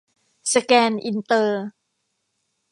สแกน อินเตอร์